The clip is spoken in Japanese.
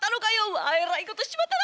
うわえらいことしちまったな。